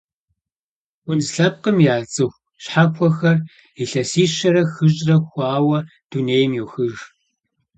Хунз лъэпкъым я цӏыху щхьэхуэхэр илъэсищэрэ хыщӏрэ хъуауэ дунейм йохыж.